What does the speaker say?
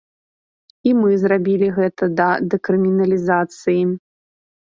І мы зрабілі гэта да дэкрыміналізацыі.